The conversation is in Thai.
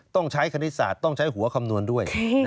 ต้องใช้คณิตศาสตร์ต้องใช้หัวคำนวณด้วย